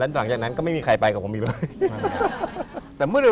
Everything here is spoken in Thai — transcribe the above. หลังจากนั้นก็ไม่มีใครไปกับผมอีกเลย